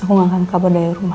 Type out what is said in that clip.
aku gak akan kabur dari rumah